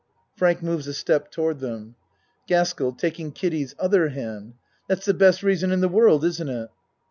(Frank moves a step toward them.) GASKELL (Taking Kiddie's other hand.) That's the best reason in the world, isn't it?